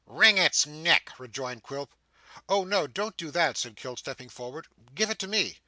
'Wring its neck,' rejoined Quilp. 'Oh no, don't do that,' said Kit, stepping forward. 'Give it to me.